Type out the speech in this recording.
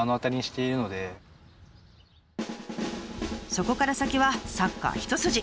そこから先はサッカー一筋！